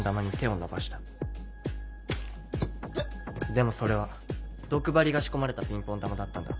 でもそれ毒針が仕込まれたピンポン球だったんだ。